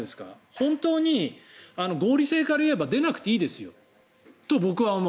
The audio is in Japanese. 本当に合理性から言えば出なくていいですよと僕は思う。